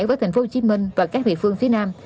với tp hcm và các địa phương phía nam